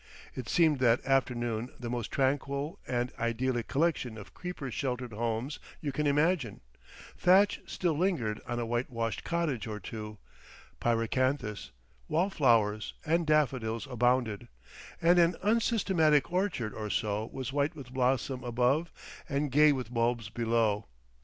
It seemed that afternoon the most tranquil and idyllic collection of creeper sheltered homes you can imagine; thatch still lingered on a whitewashed cottage or two, pyracanthus, wall flowers, and daffodils abounded, and an unsystematic orchard or so was white with blossom above and gay with bulbs below.